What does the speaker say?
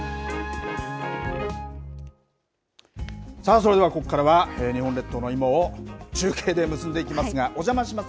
それではここからは日本列島の今を中継で結んでいきますがおじゃまします